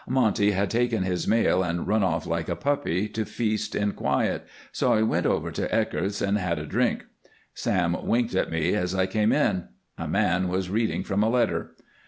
Monty had taken his mail and run off like a puppy to feast in quiet, so I went over to Eckert's and had a drink. Sam winked at me as I came in. A man was reading from a letter.